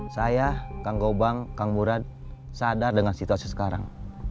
saya kang gobang kang murad sadar dengan situasi sekarang